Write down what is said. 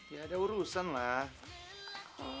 ya ada urusan lah